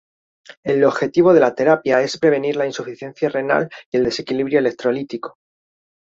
El objetivo de la terapia es prevenir la insuficiencia renal y el desequilibrio electrolítico.